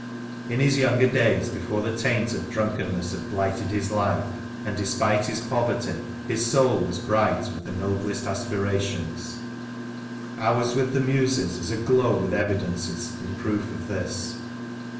In his younger days, before the taint of drunkenness had blighted his life, and despite his poverty, his soul was bright with the noblest aspirations. " Hours with the Muses " is aglow with evidences in proof of this.